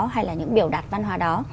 hay là những biểu đặt văn hóa đó